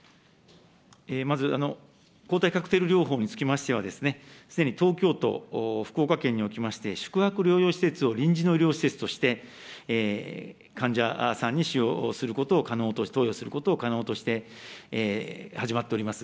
まず、抗体カクテル療法につきましてはですね、すでに東京都、福岡県におきまして、宿泊療養施設を臨時の医療施設として、患者さんに使用することを可能と、投与することを可能として始まっております。